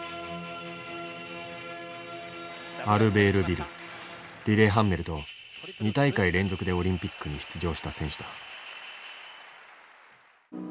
アルベールビルリレハンメルと２大会連続でオリンピックに出場した選手だ。